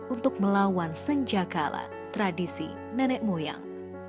untuk melawan senja kala tradisi nenek moyang